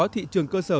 thị trường cơ sở